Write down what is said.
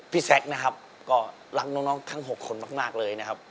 แซคนะครับก็รักน้องทั้ง๖คนมากเลยนะครับ